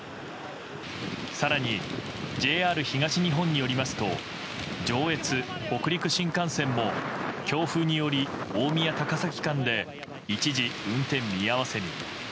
更にＪＲ東日本によりますと上越・北陸新幹線も強風により大宮高崎間で一時運転見合わせに。